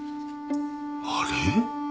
あれ？